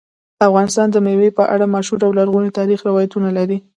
افغانستان د مېوو په اړه مشهور او لرغوني تاریخی روایتونه لري.